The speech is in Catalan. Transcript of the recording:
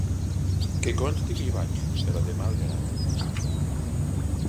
Que consti que hi vaig, però de mal grat.